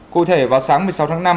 cụ thể vào sáng một mươi sáu tháng năm